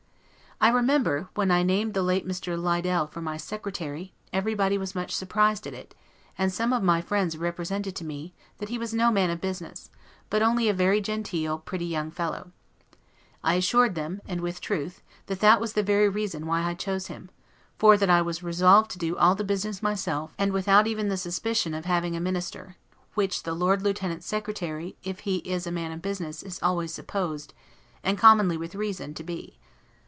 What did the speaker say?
I remember, when I named the late Mr. Liddel for my Secretary, everybody was much surprised at it; and some of my friends represented to me, that he was no man of business, but only a very genteel, pretty young fellow; I assured them, and with truth, that that was the very reason why I chose him; for that I was resolved to do all the business myself, and without even the suspicion of having a minister; which the Lord lieutenant's Secretary, if he is a man of business, is always supposed, and commonly with reason, to be.